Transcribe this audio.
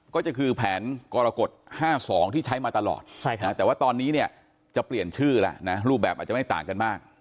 ก็คือแผนกรกฎ๕๒ที่ใช้มาตลอดแต่ว่าตอนนี้เนี่ยจะเปลี่ยนชื่อแล้วนะรูปแบบอาจจะไม่ต่างกันมาก